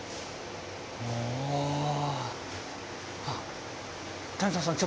あっ。